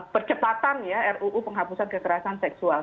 percepatan ya ruu penghapusan kekerasan seksual